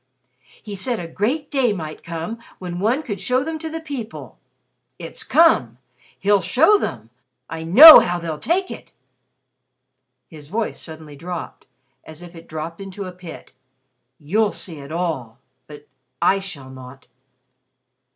He said a great day might come when one could show them to the people. It's come! He'll show them! I know how they'll take it!" His voice suddenly dropped as if it dropped into a pit. "You'll see it all. But I shall not."